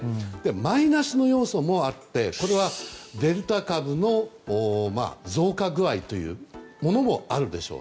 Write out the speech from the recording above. マイナスの要素もあってこれは、デルタ株の増加具合というものもあるでしょう。